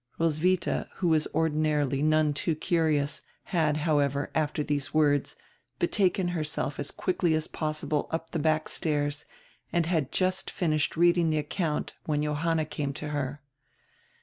Roswidia, who was ordinarily none too curious, had, how ever, after diese w r ords betaken herself as quickly as pos sible up die back stairs and had just finished reading die account when Johanna came to her.